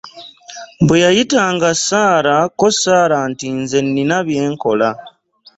Bwe yayitanga Sarah ko Sarah nti "Nze nnina bye nkola.